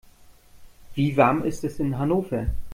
Wie warm ist es in Hannover?